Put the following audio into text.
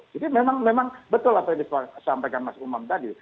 jadi memang betul apa yang disampaikan mas umam tadi